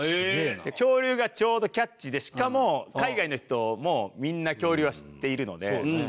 恐竜がちょうどキャッチーでしかも海外の人もみんな恐竜は知っているので。